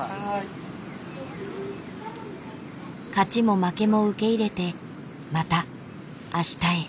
勝ちも負けも受け入れてまたあしたへ。